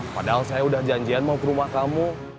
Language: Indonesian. padahal saya udah janjian mau ke rumah kamu